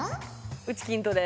うち筋トレ。